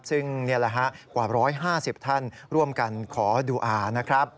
ซึ่งนี่แหละฮะกว่า๑๕๐ท่านร่วมกันขอดูอานะครับ